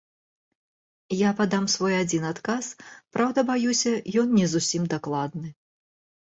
Я падам свой адзін адказ, праўда, баюся, ён не зусім дакладны.